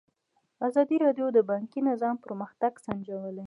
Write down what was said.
ازادي راډیو د بانکي نظام پرمختګ سنجولی.